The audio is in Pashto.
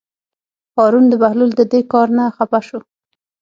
هارون د بهلول د دې کار نه خپه شو.